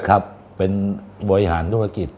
ครับเป็นบริหารธุรกิจ